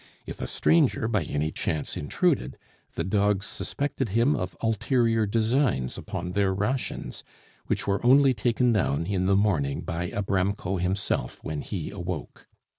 If a stranger by any chance intruded, the dogs suspected him of ulterior designs upon their rations, which were only taken down in the morning by Abramko himself when he awoke.